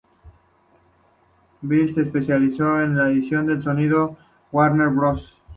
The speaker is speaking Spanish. Billy se especializó en edición de sonido para Warner Bros.